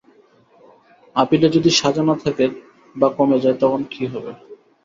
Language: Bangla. আপিলে যদি সাজা না থাকে বা কমে যায়, তখন কী হবে?